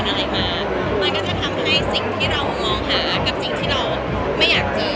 จริงคือผมของในชีวิตเทพส์แล้วก็กินแรงว่า